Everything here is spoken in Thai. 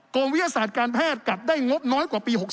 วิทยาศาสตร์การแพทย์กลับได้งบน้อยกว่าปี๖๓